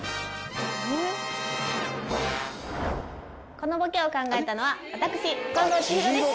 このボケを考えたのは私近藤千尋でした！